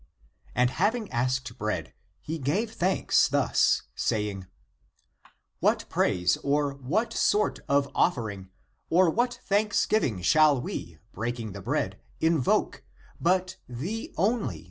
And having asked bread, he gave thanks thus, saying :" What praise or what sort of of fering or what thanksgiving, shall we, breaking the bread, invoke, but thee only.